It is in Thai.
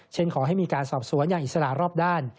ขอให้มีการสอบสวนอย่างอิสระรอบด้าน